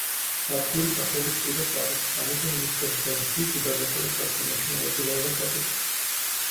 სადგური დახურვის პირას არის, ამიტომ მისტერ ბერნსი გუბერნატორის არჩევნებში მონაწილეობას აპირებს.